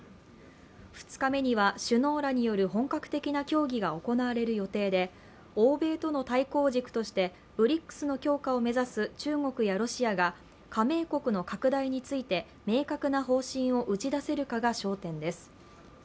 ２日目には、首脳らによる本格的な協議が行われる予定で欧米との対抗軸としてＢＲＩＣＳの強化を目指す中国やロシアが加盟国の拡大について明確な方針を打ち出せるかが焦点です。